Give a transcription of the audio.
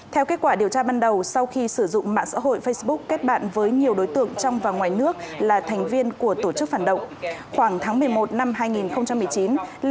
theo kết quả điều tra ban đầu sau khi sử dụng mạng xã hội facebook kết bạn với nhiều đối tượng trong và ngoài nước là thành viên của tổ chức phản động khoảng tháng một mươi một năm hai nghìn một mươi chín lê ngọc thành đăng ký tham gia tổ chức phản động chính phủ quốc gia việt nam